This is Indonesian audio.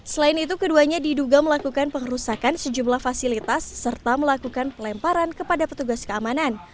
selain itu keduanya diduga melakukan pengerusakan sejumlah fasilitas serta melakukan pelemparan kepada petugas keamanan